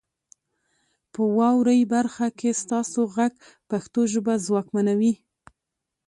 په واورئ برخه کې ستاسو غږ پښتو ژبه ځواکمنوي.